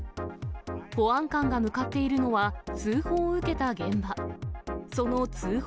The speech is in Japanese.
保安官が向かっているのは、通報を受けた現場。